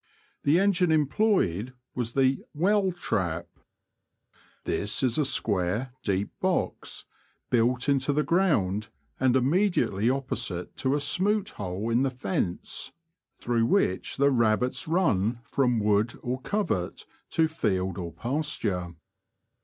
The engine employed was the " well trap." This is a square, deep box, built into the ground, and immediately opposite to a smoot hole in the fence through which the 134 ^^^ Confessions of a Poacher, rabbits run from wood or covert to field or pasture.